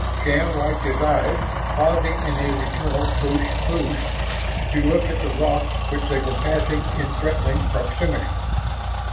Shann wiped his eyes, pausing in his eternal push push, to look at the rocks which they were passing in threatening proximity.